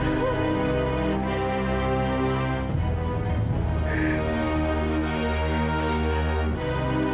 pergi pergi yolanda